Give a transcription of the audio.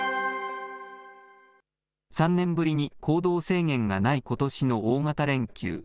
３年ぶりに行動制限がないことしの大型連休。